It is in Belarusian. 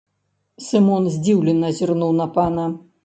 Сымон здзіўлена зірнуў на пана.